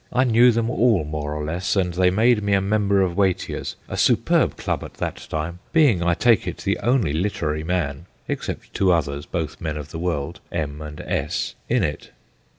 ... I knew them all more or less, and they made me a member of Watier's (a superb Club at that time), being, I take it, the only literary man (except two others, both men of the world, M. and S.) in it.'